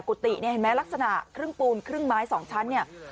กุฏิเนี่ยเห็นไหมลักษณะครึ่งปูนครึ่งไม้สองชั้นเนี่ย